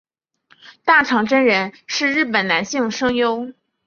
大场真人是日本男性声优。